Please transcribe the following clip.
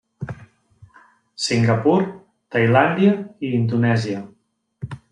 Singapur, Tailàndia i Indonèsia.